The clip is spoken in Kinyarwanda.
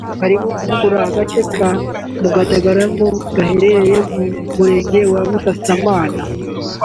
harimo kuvugurura agace ka Mugandamure gaherereye mu Murenge wa Busasamana